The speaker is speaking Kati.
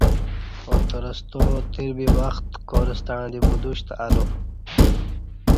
اترستا تیر بی وخت کا ر ستݩع دی بدوشت الو